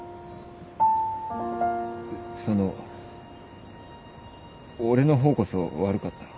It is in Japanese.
その俺の方こそ悪かった。